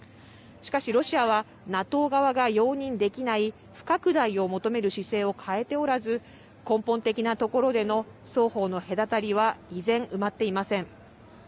しかし、ロシアはＮＡＴＯ側が容認できない不拡大を求める姿勢を変えておらず、根本的なところでの双方の隔たりは依然、埋まっていません。